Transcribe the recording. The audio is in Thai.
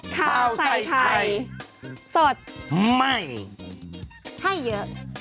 ข้าวไสม์ไทยเสร็จใหม่ให้เยอะ